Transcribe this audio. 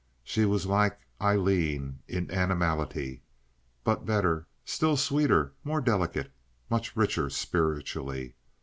She was like Aileen in animality, but better, still sweeter, more delicate, much richer spiritually.